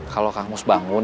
kalau kang mus bangun